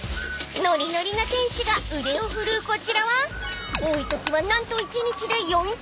［ノリノリな店主が腕を振るうこちらは多いときは何と一日で４００杯も売り上げる